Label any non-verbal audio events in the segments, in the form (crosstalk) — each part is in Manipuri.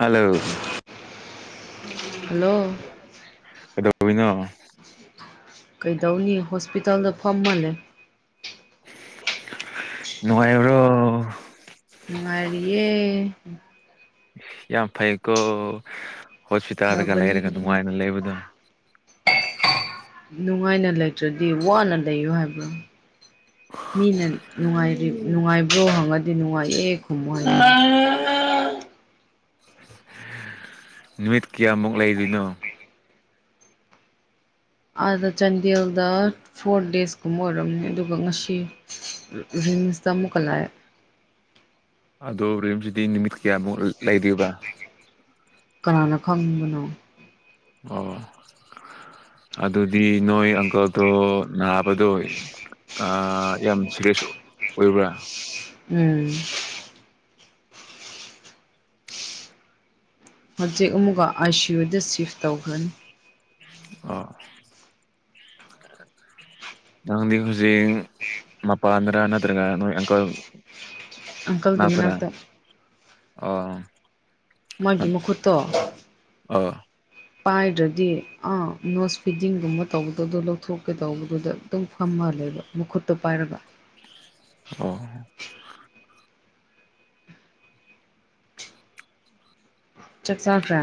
ꯍꯂꯣ ꯍꯂꯣ ꯀꯩꯗꯕꯤꯅꯣ ꯀꯩꯗꯧꯅꯤ ꯍꯣꯁꯄꯤꯇꯥꯜꯗ ꯐꯝꯃꯜꯂꯦ ꯅꯉꯥꯏꯕ꯭ꯔꯣ ꯃꯔꯤꯦ ꯌꯥꯝ ꯐꯥꯏꯀꯣ ꯍꯣꯁꯄꯤꯇꯥꯜꯗꯒ ꯐꯕꯅꯤ ꯂꯩꯔꯒ ꯅꯨꯡꯉꯥꯏꯅ ꯂꯩꯕꯗꯣ ꯅꯨꯡꯉꯥꯏꯅ ꯂꯩꯇ꯭ꯔꯗꯤ ꯋꯥꯅ ꯂꯩꯌꯨ ꯍꯥꯏꯕ꯭ꯔꯥ ꯃꯤꯅ ꯅꯨꯡꯉꯥꯏꯔꯤ ꯅꯨꯡꯉꯥꯏꯕ꯭ꯔꯣ ꯍꯪꯉꯗꯤ ꯅꯨꯡꯉꯥꯏꯌꯦ ꯈꯨꯝꯃꯨ ꯍꯥꯏꯅ ꯅꯨꯃꯤꯠ ꯀꯌꯥꯃꯨꯛ ꯂꯩꯗꯣꯏꯅꯣ ꯑꯥꯗ ꯆꯥꯟꯗꯦꯜꯗ ꯐꯣꯔ ꯗꯦꯖꯀꯨꯝꯕ ꯑꯣꯏꯔꯝꯅꯦ ꯑꯗꯨꯒ ꯉꯁꯤ ꯁꯇ ꯃꯣꯀꯜ ꯑꯗꯣ ꯔꯤꯁꯤꯗꯤ ꯅꯨꯃꯤꯠ ꯀꯌꯥꯃꯨꯛ ꯂꯩꯣꯏꯕ ꯀꯅꯥꯅ ꯈꯪꯕꯅꯣ ꯑꯣ ꯑꯗꯨꯗꯤ ꯅꯣꯏ ꯑꯪꯀꯜꯗꯣ ꯅꯥꯕꯗꯣ ꯑ ꯌꯥꯝ ꯁꯤꯦꯔꯤꯌꯁ ꯑꯣꯏꯕ꯭ꯔꯥ ꯎꯝ ꯍꯧꯖꯤꯛ ꯑꯃꯨꯛꯒ ꯑꯥꯏꯁꯤꯌꯣꯗ ꯁꯤꯐ ꯇꯧꯈ꯭ꯔꯅꯤ ꯑꯥ ꯅꯪꯗꯤ ꯍꯧꯖꯤꯛ ꯃꯄꯥꯟꯗꯔ ꯅꯠꯇ꯭ꯔꯒ ꯅꯣꯏ ꯑꯪꯀꯜ ꯑꯪꯀꯜꯒꯤ ꯅꯥꯛꯇꯔ ꯃꯅꯥꯛꯇ ꯑꯣ ꯃꯥꯒꯤ ꯃꯈꯨꯈꯨꯠꯇꯣ ꯑꯣ ꯄꯥꯏꯗ꯭ꯔꯗꯤ ꯑꯥ ꯅꯣꯁ ꯐꯤꯗꯤꯡꯒꯨꯝꯕ ꯇꯧꯕꯗꯗꯣ ꯂꯧꯊꯣꯛꯀꯦ ꯇꯧꯕꯗꯨꯗ ꯈꯤꯇꯪ ꯐꯝꯃ ꯂꯩꯕ ꯃꯈꯨꯠꯇꯣ ꯄꯥꯏꯔꯒ ꯑꯣ ꯆꯥꯛꯆꯥꯥꯈ꯭ꯔ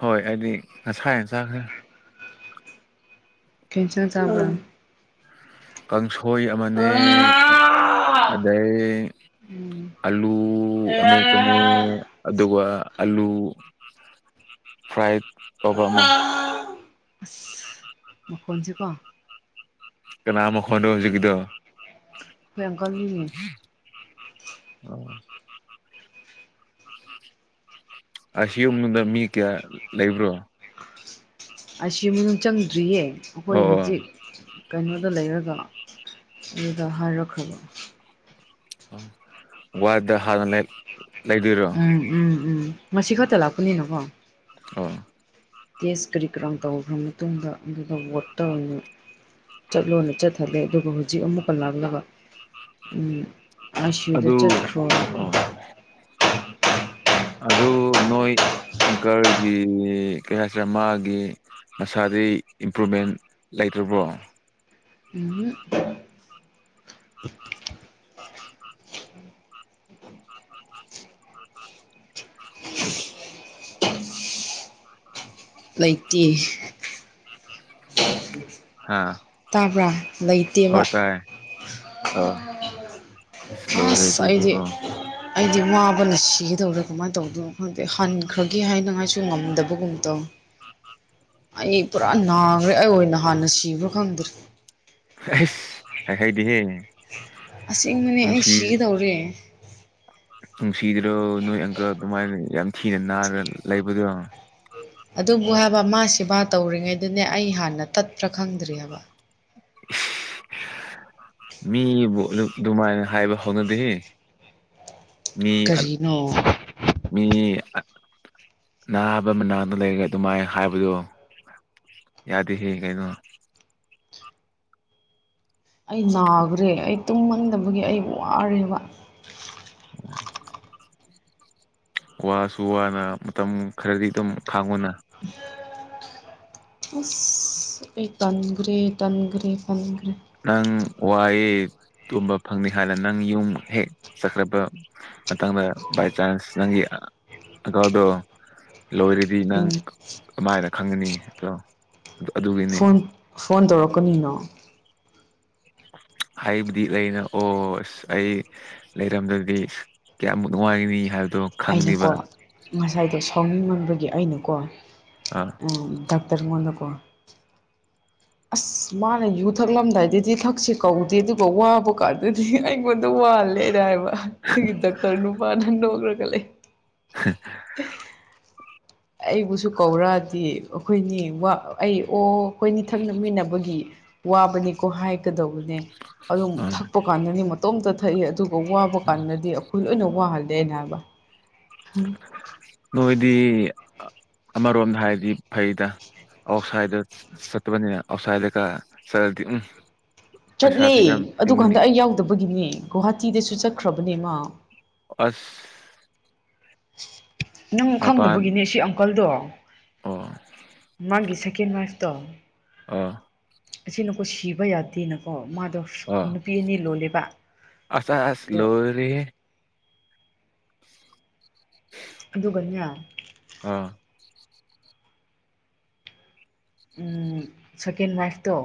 ꯍꯣꯏ ꯍꯥꯏꯗꯤ ꯉꯁꯥ ꯌꯦꯟ ꯆꯥꯈ꯭ꯔꯦ ꯀꯁꯤꯟ ꯆꯕ ꯀꯥꯡꯁꯣꯏ ꯑꯃꯅꯦ ꯎꯝ ꯑꯗꯩ ꯑꯂꯨ ꯑꯗꯨ ꯑꯃꯄꯅꯦ ꯑꯗꯨꯒ ꯑꯂꯨ ꯐ꯭ꯔꯥꯏꯠ ꯄꯕ ꯑꯃ ꯎ ꯃꯈꯣꯟꯁꯤꯦꯀꯣ ꯀꯅꯥꯃꯈꯣꯟꯗ ꯍꯧꯖꯤꯒꯗ ꯍꯣꯏ ꯑꯪꯀꯜꯒꯤꯅꯦ ꯍ ꯑ ꯁꯤꯌꯝꯗ ꯃꯤ ꯀꯌꯥ ꯂꯩ ꯂꯩꯕ꯭ꯔꯣ ꯑꯁꯤ ꯃꯅꯨꯡ ꯆꯪꯗ꯭ꯔꯤꯌꯦ ꯑꯩꯈꯣꯏ ꯑꯣ ꯍꯧꯖꯤꯛ ꯀꯩꯅꯣꯗ ꯂꯩꯔꯒ ꯑꯗꯨꯒ ꯍꯥꯏꯔꯛꯈ꯭ꯔꯕ ꯋꯥꯏꯗ ꯍꯥꯅ ꯎꯝ ꯎꯝ ꯎꯝ ꯃꯁꯤ ꯈꯛꯇ ꯂꯥꯛꯄꯅꯤꯅꯀꯣ ꯑꯣ ꯇꯦꯁ ꯀꯔꯤ ꯀꯔ ꯇꯧꯈ꯭ꯔ ꯃꯇꯨꯡꯗ ꯑꯗꯨꯗ ꯇꯧꯔꯅꯨ ꯆꯠꯂꯣꯅ ꯆꯠꯊꯜꯂꯦ ꯑꯗꯨꯒ ꯍꯧꯖꯤ ꯍꯧꯛ ꯑꯃꯨꯛ ꯀꯜꯂꯥꯛꯂꯕ ꯑꯥꯏ ꯁꯤꯌꯨꯗ ꯆꯠꯈ꯭ꯔꯣ ꯎ ꯍ ꯑꯗꯨ ꯅꯣꯏ ꯑꯪꯀꯔꯒꯤ ꯀꯩ ꯍꯥꯏꯁꯤꯔꯦ ꯃꯥꯒꯤ ꯃꯁꯥꯗꯤ ꯏꯝꯄ꯭ꯔꯨꯚꯃꯦꯟ ꯂꯩꯇ꯭ꯔꯕ꯭ꯔꯣ ꯎꯝ ꯑ (unintelligible) ꯂꯩꯇꯦ ꯍꯥꯥ ꯇꯥꯕ꯭ꯔꯥ ꯂꯩꯇꯦꯕ ꯑ ꯂꯣꯏꯔꯦ ꯐꯥꯁ ꯑꯩꯗꯤ ꯑꯗꯨꯗꯤꯀꯣ ꯑꯩꯗꯤꯃ ꯑꯩꯈꯅ ꯁꯤꯒꯦꯗꯧꯔꯦ ꯀꯃꯥꯏꯅ ꯇꯧꯗꯅꯣ ꯈꯪꯗꯦ ꯍꯟꯈ꯭ꯔꯒꯦ ꯍꯥꯏꯅꯉꯥꯏꯁꯨ ꯉꯝꯗꯕꯒꯨꯝꯕ ꯇꯧ ꯑꯩ ꯄꯨꯔꯥ ꯅꯥꯈ꯭ꯔꯦ ꯑꯩ ꯑꯣꯏꯅ ꯍꯥꯟꯅ ꯁꯤꯕ꯭ꯔꯥ ꯈꯪꯗ꯭ꯔꯦ ꯑꯁ ꯍꯥꯏ ꯍꯥꯏꯗꯤꯍꯦ ꯑꯁꯦꯡꯕꯅꯦ ꯑꯩ ꯁꯤꯒꯗꯧꯔꯤꯦ ꯅꯨꯡꯁꯤꯗ꯭ꯔꯣ ꯅꯣꯏ ꯑꯪꯀ ꯑꯗꯨꯃꯥꯏꯅ ꯌꯥꯝ ꯊꯤꯅ ꯅꯥꯔ ꯂꯩꯕꯗꯣ ꯑꯗꯨꯕꯨ ꯍꯥꯏꯕ ꯃꯥ ꯁꯦꯕꯥ ꯇꯧꯔꯤꯉꯩꯗꯅꯦ ꯑꯩ ꯍꯥꯟꯅ ꯇꯠꯄ꯭ꯔꯥ ꯈꯪꯗ꯭ꯔꯤ ꯍꯥꯏꯕ (unintelligible) ꯃꯤꯕꯨ ꯑꯗꯨꯃꯥꯏꯅ ꯍꯥꯏꯕ ꯍꯧꯅꯗꯦ ꯃꯤ ꯀꯔꯤꯅꯣ ꯃꯤ ꯅꯅꯥꯕ ꯃꯅꯥꯗ ꯂꯩꯔꯦ ꯑꯗꯨꯃꯥꯏ ꯍꯥꯏꯕꯗꯣ ꯌꯥꯗꯦ ꯍꯦꯒꯥꯏꯩꯅꯣ ꯑꯩ ꯅꯥꯈ꯭ꯔꯦ ꯑꯩ ꯇꯨꯝꯃꯟꯗꯕꯒꯤ ꯑꯩ ꯋꯥꯔꯦꯕ ꯋꯥꯁꯨ ꯋꯥꯅ ꯃꯇꯝ ꯈꯔꯗꯤ ꯑꯗꯨꯝ ꯐꯥꯡꯉꯨꯅ ꯑ ꯑꯩ ꯇꯟꯒ꯭ꯔꯦ ꯇꯟꯒ꯭ꯔꯦ ꯇꯟꯒ꯭ꯔꯦ ꯅꯪ ꯋꯥꯑ ꯇꯨꯝꯕ ꯐꯪꯅꯤ ꯍꯥꯏꯅ ꯅꯪ ꯌꯨꯝ ꯍꯦꯛ ꯆꯠꯈ꯭ꯔꯕ ꯃꯪꯗ ꯏ ꯆꯥꯟꯁ ꯅꯪꯒꯤꯥꯎꯗꯣ ꯂꯣꯏꯔꯗꯤ ꯅꯪ ꯎꯝ ꯀꯃꯥꯏꯅ ꯈꯪꯒꯅꯤ ꯑꯗꯣ ꯑꯗꯨꯒꯤꯅꯤ ꯐꯣꯟ ꯐꯣꯟ ꯇꯧꯔꯛꯀꯅꯤꯅꯣ ꯍꯥꯏꯕꯨꯗꯤ ꯂꯩꯅ ꯑꯣ ꯑꯁ ꯑꯩ ꯂꯩꯔꯝꯗꯕꯗꯤ ꯀꯌꯥꯅꯨꯡꯉꯥꯏ ꯃꯤ ꯍꯥꯏ ꯑꯩꯅꯀꯣ ꯉꯁꯥꯏꯗꯣ ꯁꯥꯎꯅꯤꯡ ꯉꯕꯒꯤ ꯑꯩꯅꯀꯣ ꯑꯥ ꯇꯔꯃꯣꯟꯅꯀꯣ (unintelligible) (inaudible) ꯑꯁ ꯃꯥꯅ ꯌꯨ ꯊꯛꯂꯝꯗꯥꯏꯗꯗꯤ ꯊꯛꯁꯦ ꯀꯧꯗꯦ ꯑꯗꯨꯒ ꯋꯥꯕ ꯀꯥꯟꯗꯗꯤ ꯑꯩꯉꯣꯟꯗ ꯋꯥꯜꯂꯦꯅ ꯍꯥꯏꯕ ꯁꯤꯒꯤ ꯗꯇꯔ ꯅꯨꯄꯥ ꯅꯅ ꯑꯣꯏꯈ꯭ꯔꯒ ꯂꯩ (unintelligible) (inaudible) ꯑꯩꯕꯨꯁꯨ ꯀꯧꯔꯛꯗꯤ ꯑꯩꯈꯣꯏꯅꯤ ꯑꯩ ꯑꯣ ꯑꯩꯈꯣꯏꯅꯤꯊꯛ ꯅꯛꯃꯤꯟꯅꯕꯒꯤ ꯋꯥꯕꯅꯤꯀꯣ ꯍꯥꯏꯒꯗꯧꯕ ꯎꯝ ꯊꯛꯄ ꯀ ꯃꯇꯣꯝꯇ ꯊꯛꯏ ꯑꯗꯨꯒ ꯋꯥꯕ ꯎꯝ ꯀꯥꯟꯗꯗꯤ ꯑꯩꯈꯣꯏ ꯂꯣꯏꯅ ꯋꯥ ꯍꯜꯗꯦ ꯕ ꯅꯣꯏꯗꯤ ꯑꯃꯔꯣꯝꯗ ꯍꯥꯏꯔꯗꯤ ꯐꯩꯗ ꯑꯣ ꯑꯁꯗ ꯁꯠꯕꯅꯤ ꯑꯁꯥꯏꯗ ꯀ ꯁꯗꯤ ꯎꯝ ꯆꯠꯂꯦ ꯄꯩꯁꯥꯁꯨ ꯌꯥꯝ ꯑꯗꯨ ꯇꯤꯡꯒꯅꯤ ꯀꯥꯟꯗ ꯑꯩ ꯌꯥꯎꯗꯕꯒꯤꯅꯦ ꯒꯨꯍꯥꯇꯤꯗꯁꯨ ꯆꯠꯈ꯭ꯔꯕꯅꯦꯃ ꯑꯁ ꯅꯪ ꯃꯄꯥꯟ ꯈꯪꯗꯕꯒꯤꯅꯦ ꯁꯤ ꯑꯪꯀꯜꯗꯣ ꯑꯣ ꯃꯥꯒꯤ ꯁꯦꯀꯦꯟ ꯃꯔꯁ ꯠꯇꯣꯡ ꯑ ꯑꯁꯤꯅꯀꯣ ꯁꯤꯕ ꯌꯥꯗꯦꯅꯀꯣ ꯃꯥ ꯑꯗꯣ ꯑꯥ ꯅꯨꯄꯤ ꯑꯅꯤ ꯂꯣꯜꯂꯕ ꯑꯁ ꯑꯁ ꯑꯗꯣ ꯂꯣꯏꯔꯦꯍꯦ ꯑꯗꯨ ꯀꯅ ꯑꯥ ꯎꯝ ꯁꯀꯦꯟ ꯋꯥꯏꯐꯇꯣ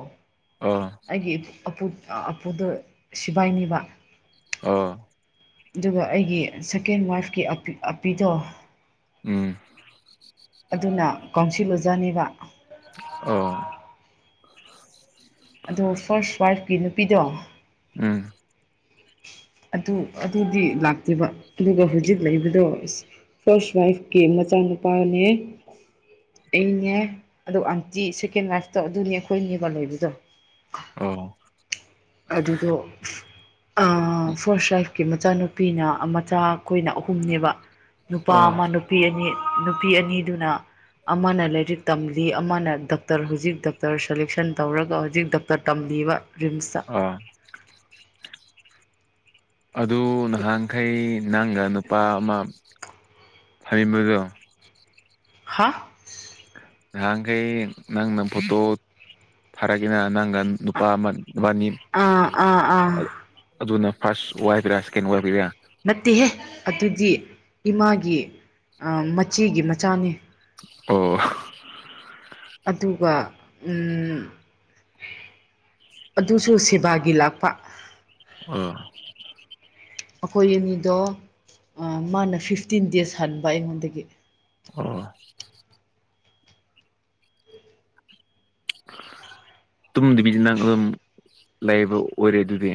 ꯑꯥ ꯑꯄꯨꯗ ꯁꯤꯕꯥꯏꯅꯤꯕ ꯑꯥ ꯑꯗꯨꯒ ꯑꯩꯒꯤ ꯁꯦꯀꯦꯟ ꯋꯥꯏꯐꯀꯤ ꯑꯄꯤꯗꯣ ꯎꯝ ꯑꯗꯨꯅ ꯀꯥꯎꯁꯤꯜ ꯑꯣꯖꯥꯅꯦꯕ ꯑꯣ ꯑꯗꯣ ꯐꯥꯔꯁ ꯋꯥꯏꯐꯀꯤ ꯅꯨꯄꯤꯗꯣ ꯎꯝ ꯑꯗꯨ ꯑꯗꯨꯗꯤ ꯂꯥꯛꯇꯦꯕ ꯑꯗꯨꯒ ꯍꯧꯖꯤꯛ ꯂꯩꯕꯗꯣ ꯐꯥꯔꯁ ꯋꯥꯏꯐꯀꯤ ꯆꯥꯟꯨ ꯄꯑꯣꯅꯦ ꯑꯩꯅꯦ ꯑꯗꯣ ꯑꯟꯇꯤ ꯁꯦꯀꯦꯟ ꯂꯥꯏꯐꯇꯣ ꯑꯗꯨꯅꯦ ꯑꯩꯈꯣꯏꯅꯦꯕ ꯂꯩꯕꯗꯣ ꯑꯣ ꯑꯗꯨꯗꯣ ꯐꯣꯔꯥꯏꯐ ꯀ ꯃꯆꯥꯅꯨꯄꯤꯅ ꯃꯆꯥ ꯑꯩꯈꯣꯏꯅ ꯑꯍꯨꯝꯅꯦꯕ ꯅꯨꯄꯥ ꯑꯣ ꯑꯃ ꯅꯨꯄꯤ ꯑꯅꯤ ꯅꯨꯄꯤ ꯑꯅꯤꯗꯨꯅ ꯑꯃꯅ ꯂꯥꯏꯔꯤꯛ ꯇꯝꯂꯤ ꯑꯃꯅ ꯗꯣꯛꯇꯔ ꯍꯧꯖꯤꯛ ꯗꯣꯛꯇꯔ ꯁꯦꯂꯦꯛꯁꯟ ꯇꯧꯔꯒ ꯍꯧꯖꯤꯛ ꯗꯣꯛꯇꯔ ꯇꯝꯂꯤꯕ ꯔꯤꯝꯁꯇ ꯑꯣ ꯑꯗꯨ ꯅꯍꯥꯟꯈꯩ ꯅꯪꯒ ꯅꯨꯄꯥ ꯑꯃ ꯐꯩꯃꯗꯣ ꯍꯥ ꯉꯍꯈꯩ ꯅꯪꯅ ꯐꯣꯇꯣ ꯐꯔꯥꯀꯤ ꯅ ꯅꯒꯥꯜ ꯅꯨꯄꯥ ꯑꯃ ꯅꯨꯕꯥꯅꯤ ꯑꯥ ꯑꯥ ꯑꯥ ꯑꯗꯨꯅ ꯐꯥꯔꯁ ꯋꯥꯏꯐꯔ ꯁꯦꯀꯦꯟ ꯋꯥꯏꯐꯥ ꯅꯠꯇꯦꯍꯦ ꯑꯗꯨꯗꯤ ꯏꯃꯥꯒꯤ ꯃꯆꯦꯒꯤ ꯃꯆꯥꯅꯤ ꯑꯣ ꯑꯗꯨꯒ ꯑꯗꯨꯁꯨ ꯁꯦꯕꯥꯒꯤ ꯂꯥꯛꯄ ꯑꯣ ꯑꯩꯈꯣꯏ ꯑꯅꯤꯗꯣ ꯃꯥꯅ ꯐꯤꯐꯇꯤꯟ ꯗꯦꯖ ꯍꯟꯕ ꯑꯩꯉꯣꯟꯗꯒꯤ ꯑꯣ ꯇꯨꯝꯗꯕꯤꯗꯤ ꯅꯪ ꯑꯗꯨꯝ ꯂꯩꯕ ꯑꯣꯏꯔꯦ ꯑꯗꯨꯗꯤ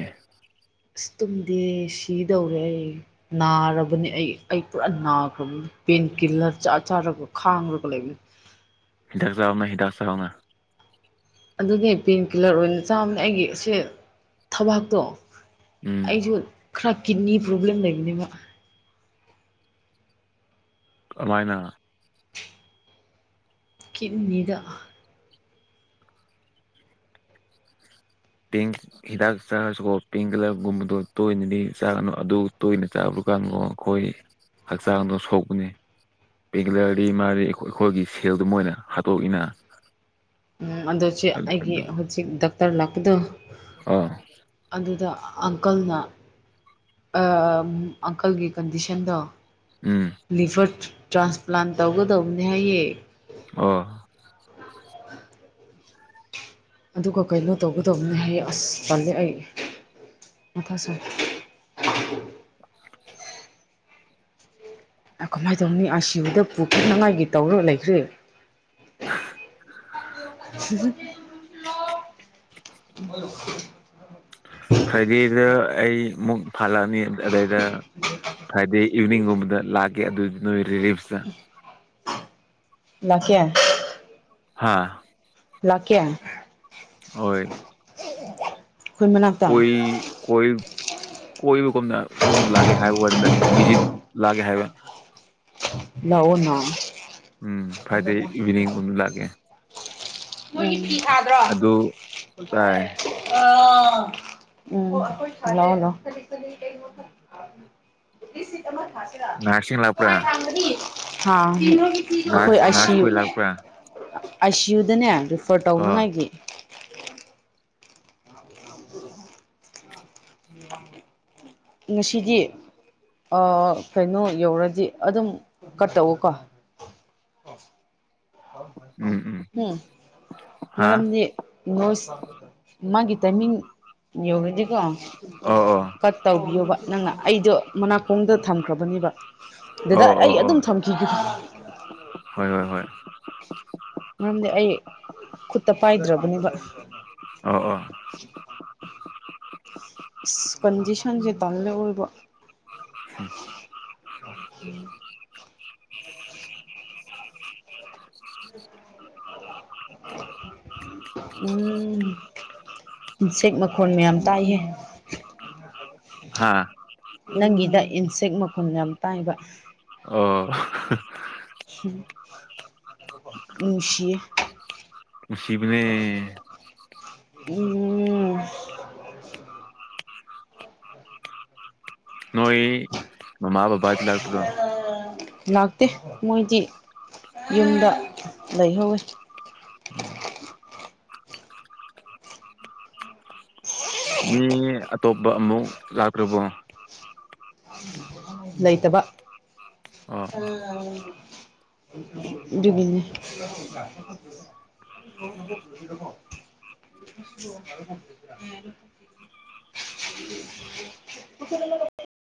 ꯑꯁ ꯇꯨꯝꯗꯤ ꯁꯤꯗꯧꯔꯦ ꯑꯩ ꯅꯥꯔꯕꯅꯤ ꯑꯩ ꯑꯩ ꯄꯨꯔꯥ ꯅꯥꯈ꯭ꯔꯕꯅꯤ ꯄꯦꯟ ꯀꯤꯜꯂꯔ ꯆꯥ ꯆꯥꯔꯒ ꯈꯥꯡꯉꯒ ꯂꯩꯕ ꯍꯤꯗꯥꯛ ꯆꯅ ꯍꯤꯗꯥꯛ ꯆꯧꯅ ꯑꯗꯨꯅꯦ ꯄꯦꯟꯀꯤꯤꯜꯂꯔ ꯑꯣꯏꯅ ꯆꯥꯕꯅꯦ ꯑꯩꯒꯤ ꯁꯦ ꯊꯕꯥꯛꯇꯣ ꯎꯝ ꯑꯩꯁꯨ ꯈꯔ ꯀꯤꯠꯅꯤ ꯄ꯭ꯔꯣꯕ꯭ꯂꯦꯝ ꯂꯩꯅꯦꯕ ꯑꯗꯨꯃꯥꯏꯅ ꯀꯅꯤꯒ ꯄꯤꯡ ꯍꯤꯗꯥꯛ ꯆꯥꯔꯁꯨꯀꯣ ꯄꯤꯡ ꯀꯂꯔꯒꯨꯝꯕꯗꯣ ꯇꯣꯏꯅꯗꯤ ꯆꯥꯒꯅꯨ ꯑꯗꯨ ꯇꯣꯏꯅ ꯆꯥꯕ꯭ꯔ ꯗꯨꯀꯥꯟꯗꯣ ꯑꯩꯈꯣꯏ ꯍꯛꯆꯥꯡꯗꯣ ꯁꯣꯛꯄꯅꯤ ꯕꯦꯡꯒꯂꯔꯤ ꯃꯥꯔꯤ ꯑꯩꯈꯣꯏꯒꯤ ꯁꯦꯜꯗ ꯃꯣꯏꯅ ꯍꯥꯠꯇꯣꯛꯏꯅ ꯎꯝ ꯑꯗꯣ ꯁꯤ ꯑꯩꯒꯤ ꯍꯧꯖꯤꯛ ꯗꯥꯛꯇꯔ ꯂꯥꯛꯄꯗꯣ ꯑꯥ ꯑꯗꯨꯗ ꯑꯪꯀꯜꯅ ꯑꯪꯀꯜꯒꯤ ꯀꯟꯗꯤꯁꯟꯗꯣ ꯎꯝ ꯂꯤꯚꯔ ꯇ꯭ꯔꯥꯟꯁꯄ꯭ꯂꯥꯟ ꯇꯧꯒꯗꯧꯕꯅꯦ ꯍꯥꯏꯌꯦꯦ ꯑꯣ (inaudible) ꯑꯗꯨꯒ ꯀꯩꯅꯣ ꯇꯧꯒꯗꯕꯅꯍꯦ ꯑꯁ ꯄꯜꯂꯦ ꯑꯩ ꯃꯊꯥꯥꯁꯠ ꯀꯃꯥꯏꯅ ꯇꯧꯅꯤ ꯑꯁꯤꯕꯨꯗ ꯄꯨꯈꯛꯅꯉꯥꯏꯒꯤ ꯇꯧꯔꯣ ꯂꯩꯈ꯭ꯔꯦ (inaudible) ꯐ꯭ꯔꯥꯏꯗꯦꯗ ꯑꯩ ꯑꯃꯨꯛ ꯐꯜꯂꯛꯑꯅꯤ ꯑꯗꯩꯗ ꯍꯥꯏꯗꯤ ꯏꯚꯅꯤꯡꯒꯨꯝꯕꯗ ꯂꯥꯛꯀꯦ ꯑꯗꯨꯗꯤ ꯅꯣꯏ ꯔꯤꯂꯤꯞꯁꯇ ꯂꯥꯛ ꯀꯌꯥ ꯍꯥꯥ ꯂꯀꯦ ꯍꯣꯏ (inaudible) ꯃꯅꯥꯛꯇ ꯀꯣꯏ ꯀꯣꯏ ꯀꯣꯏꯕꯨ ꯀꯅ ꯑꯗꯨ ꯂꯦ ꯍꯥꯏꯕ ꯋꯥꯅꯤ ꯕꯤꯖꯤ ꯂꯒꯦ ꯍꯥꯏꯕ ꯂꯎꯅ ꯎꯝ ꯐꯥꯏꯗꯦ ꯏꯚꯅꯤꯡ ꯂꯥꯛꯑꯒꯦ ꯃꯣꯏꯒꯤ ꯐꯤ ꯊꯥꯗ꯭ꯔꯣ ꯇꯥꯏ ꯑ ꯎꯝꯉꯅꯣ ꯅꯔꯁꯁꯤꯡ ꯍꯥꯥ ꯅꯅꯥꯆ ꯅꯅꯥꯆꯈ ꯂꯥꯛꯄ ꯑꯥꯏꯁꯤꯌꯨꯗꯅꯦ ꯔꯤꯐꯔ ꯇꯧꯅꯉꯥꯏꯒꯤ (inaudible) ꯉꯁꯤꯗꯤ ꯑ ꯀꯩꯅꯣ ꯌꯧꯔꯗꯤ ꯑꯗꯨꯝ ꯀꯠꯇꯋꯀꯣ ꯎꯝ ꯍꯥ ꯃꯔꯝꯗꯤ ꯅꯣꯏ ꯃꯥꯒꯤ ꯇꯥꯏꯃꯤꯡ ꯌꯧꯔꯗꯤꯀꯣ ꯑꯣ ꯑꯣ ꯀꯠ ꯇꯧꯕꯤꯌꯣꯕ ꯅꯪꯅ ꯑꯩꯗꯣ ꯃꯅꯥꯀꯣꯡꯗ ꯊꯝꯈ꯭ꯔꯕꯅꯦꯕ ꯗꯗꯥ ꯑꯣ ꯑꯩ ꯑꯣ ꯑꯣ ꯑꯗꯨꯝ ꯊꯝꯈꯤꯈꯤꯕ (inaudible) ꯍꯣꯏ ꯍꯣꯏ ꯍꯣꯏ ꯃꯔꯝꯗꯤ ꯑꯩ ꯈꯨꯠꯇ ꯄꯥꯏꯗ꯭ꯔꯕꯅꯦꯕ ꯑꯣ ꯑ ꯀꯟꯗꯤꯁꯟꯁꯦ ꯇꯜꯦ ꯑꯣꯏꯕ (unintelligible) (unintelligible) ꯎꯝ ꯎꯆꯦꯛ ꯃꯈꯣꯟ ꯃꯌꯥꯝ ꯇꯥꯛꯍꯦ ꯍꯥ ꯅꯪꯒꯤꯗ ꯏꯟꯁꯦꯛ ꯃꯈꯨꯜ ꯌꯥꯝ ꯇꯥꯏꯕ ꯑꯣ ꯅꯨꯡꯁꯤ ꯁꯤꯕꯅꯦ ꯎꯝ ꯅꯣꯣꯏ ꯃꯃꯕꯕꯥ ꯂꯥꯛꯇꯗ ꯂꯥꯛꯇꯦ ꯃꯣꯏꯗꯤ ꯌꯨꯝꯗ ꯂꯩꯍꯧꯋꯤ ꯃꯤ ꯑꯇꯣꯞꯄ ꯑꯃꯨꯛ ꯂꯥꯛꯈ꯭ꯔꯕꯣ ꯂꯩꯩꯇꯕ ꯑꯣ ꯒꯂꯤꯅꯦ (unintelligible) (unintelligible)